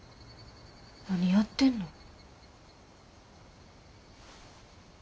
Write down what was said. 何やってんの？